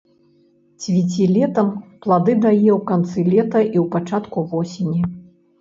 Цвіце летам, плады дае ў канцы лета і ў пачатку восені.